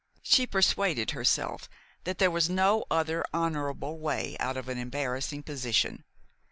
She persuaded herself that there was no other honorable way out of an embarrassing position.